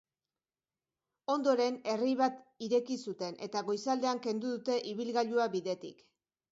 Ondoren, errei bat ireki zuten eta goizaldean kendu dute ibilgailua bidetik.